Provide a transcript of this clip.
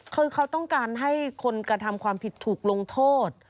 คือเขาต้องการให้คนกระทำความผิดถูกลงโทษ